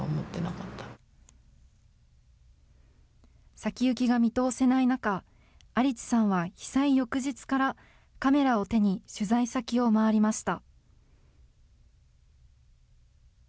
先行きが見通せない中、有地さんは被災翌日からカメラを手に、取材先を回りました。